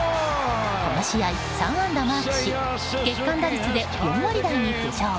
この試合、３安打マークし月間打率で４割台に浮上。